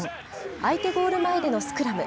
相手ゴール前でのスクラム。